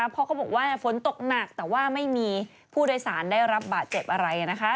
เพราะเขาบอกว่าฝนตกหนักแต่ว่าไม่มีผู้โดยสารได้รับบาดเจ็บอะไรนะคะ